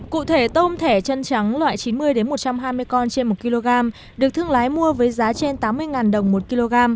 cụ thể tôm thẻ chân trắng loại chín mươi một trăm hai mươi con trên một kg được thương lái mua với giá trên tám mươi đồng một kg